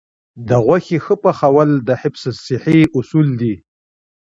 د غوښې ښه پخول د حفظ الصحې اصول دي.